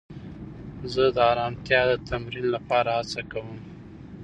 زه د ارامتیا د تمرین لپاره هڅه کوم.